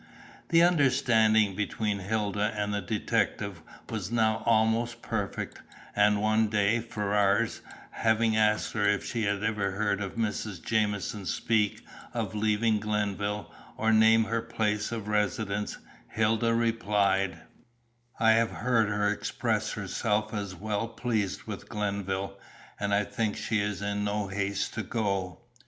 The understanding between Hilda and the detective was now almost perfect, and one day, Ferrars, having asked her if she had ever heard Mrs. Jamieson speak of leaving Glenville, or name her place of residence, Hilda replied "I have heard her express herself as well pleased with Glenville, and I think she is in no haste to go.